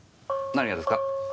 何がですか？